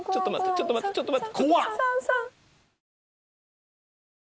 ちょっと待ってちょっと待って。